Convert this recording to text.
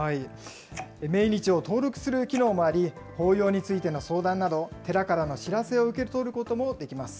命日を登録する機能もあり、法要についての相談など、寺からの知らせを受け取ることもできます。